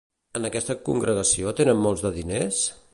En aquesta congregació tenen molts de diners?